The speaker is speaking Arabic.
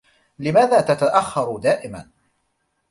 لماذا تتأخر دائما؟